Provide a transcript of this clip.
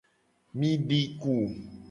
Mi di ku.